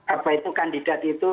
apa itu kandidat itu